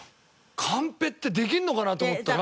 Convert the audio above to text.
カンペってできんのかな？と思ったら。